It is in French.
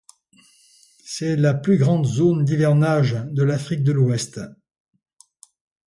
C'est la plus grande zone d'hivernage de l'Afrique de l'Ouest.